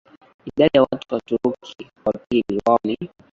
idadi ya watu wa Kituruki wa pili wao ni